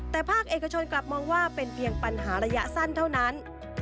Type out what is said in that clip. แต่ภาคเอกชนกลับมองว่าเป็นเพียงปัญหาระยะสั้นเท่านั้น